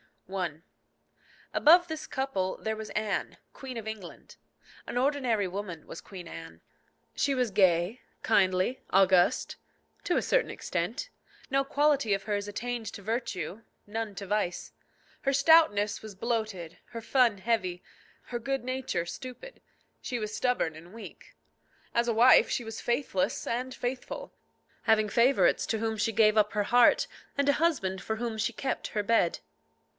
I. Above this couple there was Anne, Queen of England. An ordinary woman was Queen Anne. She was gay, kindly, august to a certain extent. No quality of hers attained to virtue, none to vice. Her stoutness was bloated, her fun heavy, her good nature stupid. She was stubborn and weak. As a wife she was faithless and faithful, having favourites to whom she gave up her heart, and a husband for whom she kept her bed.